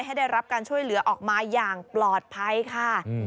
ให้ได้รับการช่วยเหลือออกมาอย่างปลอดภัยค่ะ